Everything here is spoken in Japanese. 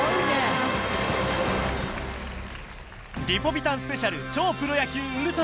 『リポビタンスペシャル超プロ野球ＵＬＴＲＡ』